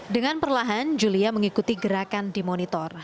dengan perlahan julia mengikuti gerakan di monitor